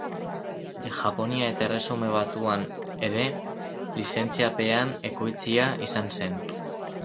Japonia eta Erresuma Batuan ere lizentziapean ekoitzia izan zen.